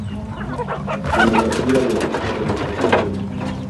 Demografía de Torrejoncillo